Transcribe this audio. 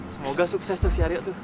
semoga sukses tuh si aryo tuh